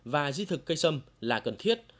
và di thực cây sâm là cần thiết